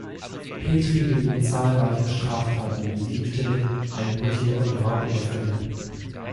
Petri beging zahlreiche Straftaten wie Diebstähle, Einbrüche und Raubüberfälle.